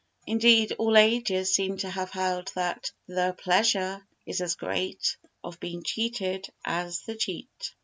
Indeed, all ages seem to have held that "the pleasure is as great of being cheated as to cheat."